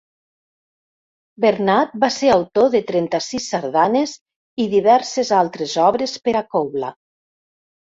Bernat va ser autor de trenta-sis sardanes i diverses altres obres per a cobla.